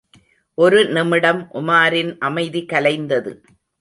ஒரு நிமிடம் உமாரின் அமைதி கலைந்தது.